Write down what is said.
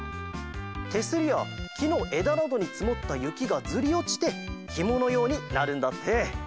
てすりやきのえだなどにつもったゆきがずりおちてひものようになるんだって！